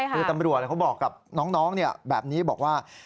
คือตำรวจเขาบอกกับน้องแบบนี้บอกว่า